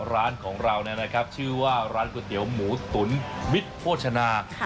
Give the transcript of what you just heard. ร้านของเรานะครับชื่อว่าร้านก๋วยเตี๋ยวหมูตุ๋นมิตรโภชนา